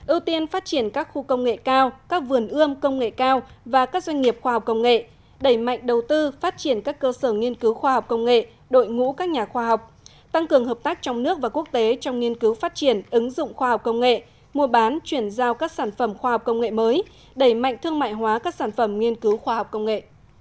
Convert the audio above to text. ưu tiên phát triển các khu công nghệ cao các vườn ươm công nghệ cao và các doanh nghiệp khoa học công nghệ đẩy mạnh đầu tư phát triển các cơ sở nghiên cứu khoa học công nghệ đội ngũ các nhà khoa học tăng cường hợp tác trong nước và quốc tế trong nghiên cứu phát triển ứng dụng khoa học công nghệ mua bán chuyển giao các sản phẩm khoa học công nghệ mới đẩy mạnh thương mại hóa các sản phẩm nghiên cứu khoa học công nghệ